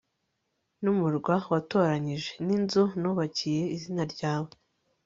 n'umurwa watoranyije, n'inzu nubakiye izina ryawe